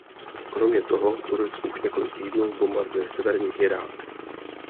Kromě toho, Turecko už několik týdnů bombarduje severní Irák.